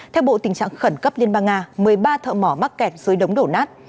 theo bộ tình trạng khẩn cấp liên bang nga một mươi ba thợ mỏ mắc kẹt dưới đống đổ nát